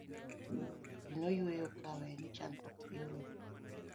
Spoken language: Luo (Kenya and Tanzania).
ji noyueyo kawe ni chandruok gi orumo